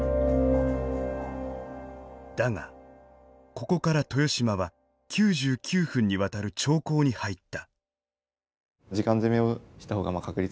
だがここから豊島は９９分にわたる長考に入った。